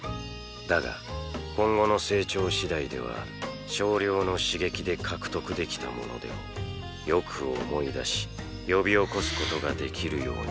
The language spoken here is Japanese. だが今後の成長次第では少量の刺激で獲得できたものでもよく思い出し呼び起こすことが出来るようになるだろう